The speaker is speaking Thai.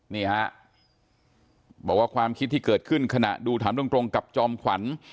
นี่ฮะบอกว่าความคิดที่เกิดขึ้นขณะดูถามตรงกับจอมขวัญ